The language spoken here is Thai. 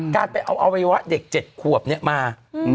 การไปเอาอวัยวะเด็ก๗ขวบมา